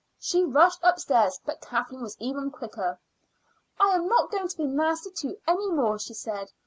She rushed upstairs, but Kathleen was even quicker. "I'm not going to be nasty to you any more," she said.